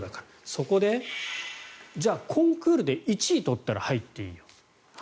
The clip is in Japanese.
そこで、じゃあコンクールで１位を取ったら入っていいよと。